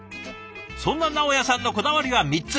そんななをやさんのこだわりは３つ。